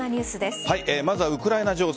まずはウクライナ情勢。